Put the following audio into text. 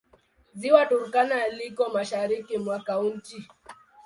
Ziwa Turkana liko mashariki mwa kaunti.